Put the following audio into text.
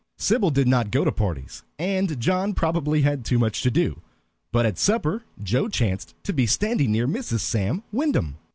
Sybil did not go to parties, and John probably had too much to do. But at supper Joe chanced to be standing near Mrs. Sam Wyndham.